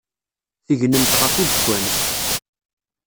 Tegnemt ɣef udekkan.